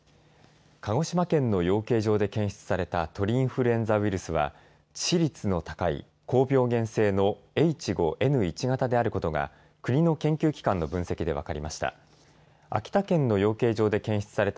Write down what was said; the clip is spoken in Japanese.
鹿児島県の養鶏場で検出された鳥インフルエンザウイルスは致死率の高い高病原性のＨ５Ｎ１型であることが国の研究機関の分析で分かりました。